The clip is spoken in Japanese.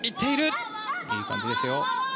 いい感じですよ。